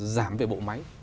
giảm về bộ máy